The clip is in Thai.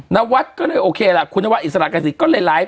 นวัดก็เลยโอเคล่ะคุณนวัดอิสระกษีก็เลยไลฟ์